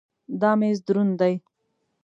دا مېز دروند دی.